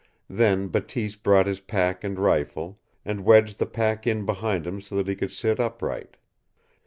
Then Bateese brought his pack and rifle, and wedged the pack in behind him so that he could sit upright.